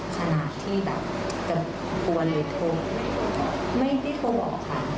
ขนาดที่แบบจะกวนหรือโทรไม่ได้โทรบอกค่ะ